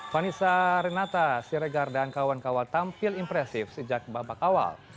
vanessa renata siregar dan kawan kawan tampil impresif sejak babak awal